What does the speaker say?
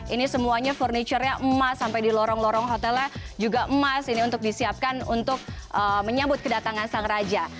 ini semuanya furniture nya emas sampai di lorong lorong hotelnya juga emas ini untuk disiapkan untuk menyambut kedatangan sang raja